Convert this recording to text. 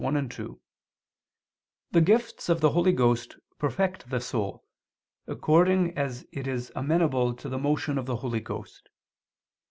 1, 2) the gifts of the Holy Ghost perfect the soul, according as it is amenable to the motion of the Holy Ghost.